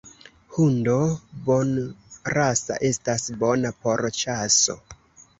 Hundo bonrasa estas bona por ĉaso.